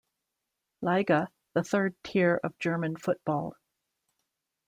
Liga, the third tier of German football.